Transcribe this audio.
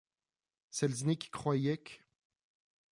Selznick croyait qu'.